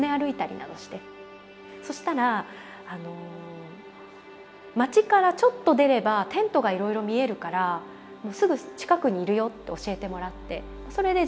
そしたら町からちょっと出ればテントがいろいろ見えるからすぐ近くにいるよって教えてもらってそれで自分で歩きながら探したんです。